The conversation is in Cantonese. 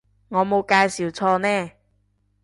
我冇介紹錯呢